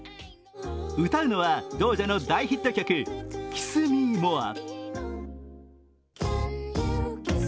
歌うのはドージャの大ヒット曲「キス・ミー・モア」。